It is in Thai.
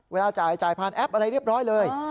เวลาจ่ายผ่านแอปอะไรเรียบร้อยเลย